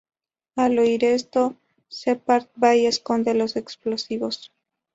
Al oír esto, Sheppard va y esconde los explosivos.